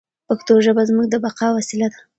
پښتو ژبه زموږ د بقا وسیله ده.